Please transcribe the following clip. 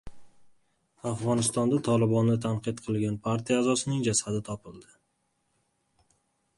Afg‘onistonda Tolibonni tanqid qilgan partiya a’zosining jasadi topildi